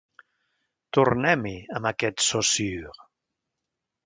Tornem-hi, amb aquest Saussure.